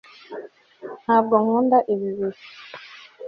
ntabwo nkunda ibi bihe